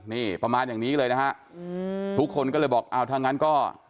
นี่ประมาณอย่างนี้เลยนะฮะอืมทุกคนก็เลยบอกอ้าวถ้างั้นก็